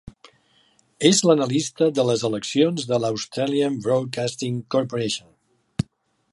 És l'analista de les eleccions de la Australian Broadcasting Corporation.